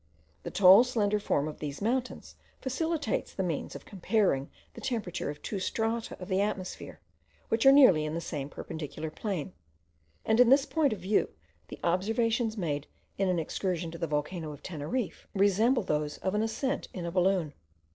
The tall slender form of these mountains facilitates the means of comparing the temperature of two strata of the atmosphere, which are nearly in the same perpendicular plane; and in this point of view the observations made in an excursion to the volcano of Teneriffe resemble those of an ascent in a balloon.